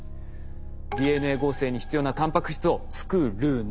「ＤＮＡ合成に必要なタンパク質を作るな」。